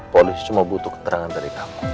polisi cuma butuh keterangan dari kamu